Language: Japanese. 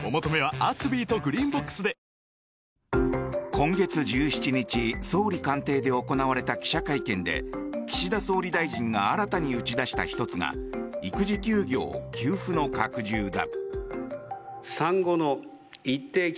今月１７日総理官邸で行われた記者会見で岸田総理大臣が新たに打ち出した１つが育児休業給付の拡充だ。